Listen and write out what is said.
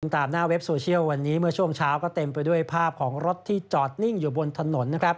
ตามหน้าเว็บโซเชียลวันนี้เมื่อช่วงเช้าก็เต็มไปด้วยภาพของรถที่จอดนิ่งอยู่บนถนนนะครับ